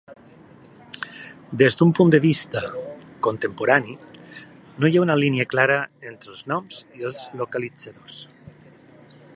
Des d'un punt de vist contemporani, no hi ha una línia clara entre els "noms" i els "localitzadors".